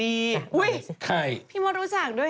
มีหลายคนพี่มดก็รู้จักดี